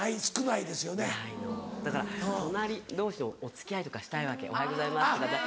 ないのだから隣同士お付き合いとかしたいわけ「おはようございます」とかさ。